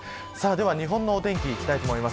日本のお天気いきたいと思います